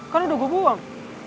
kan udah gua buang